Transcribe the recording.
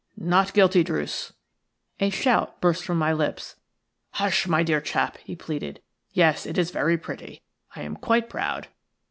Not guilty, Druce." A shout burst from my lips. "Hush, my dear chap!" he pleaded. "Yes, it is very pretty. I am quite proud."